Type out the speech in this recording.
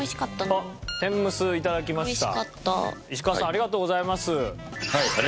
ありがとうございます。